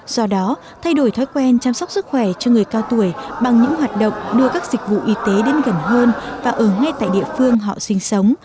do đó thay đổi thói quen chăm sóc sức khỏe cho người cao tuổi bằng những hoạt động đưa các dịch vụ y tế đến gần hơn và ở ngay tại địa phương họ sinh sống